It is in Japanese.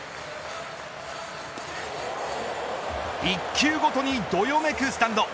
１球ごとに、どよめくスタンド。